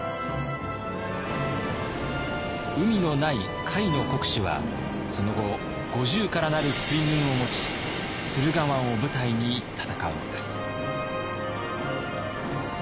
海のない甲斐の国主はその後５０からなる水軍を持ち駿河湾を舞台に戦うのです。